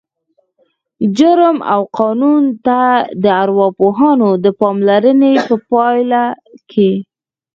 جرم او قانون ته د ارواپوهانو د پاملرنې په پایله کې